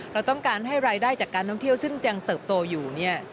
เราต้องการให้รายได้จากการท่องเที่ยวซึ่งยังเติบโตอยู่เนี่ย